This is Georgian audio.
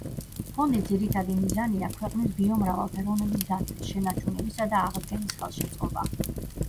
ფონდის ძირითადი მიზანია ქვეყნის ბიომრავალფეროვნების დაცვის, შენარჩუნებისა და აღდგენის ხელშეწყობა.